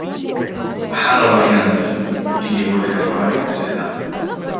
And got it all by sleeping, dear eyes — just sleeping.